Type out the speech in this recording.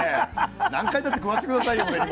何回だって食わせて下さいよ俺も。